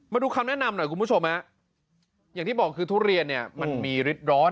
มาดูคำแนะนำหน่อยคุณผู้ชมฮะอย่างที่บอกคือทุเรียนเนี่ยมันมีฤทธิ์ร้อน